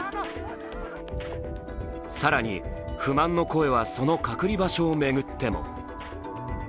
更に、不満の声はその隔離場所を巡っても。